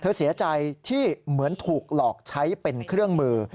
เสียใจที่เหมือนถูกหลอกใช้เป็นเครื่องมือ